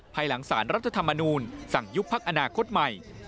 ภายหลังสารรัฐธรรมนูลสั่งยุบพักอนาคตใหม่